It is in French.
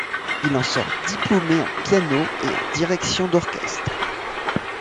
Il en sort diplômé en piano et en direction d'orchestre.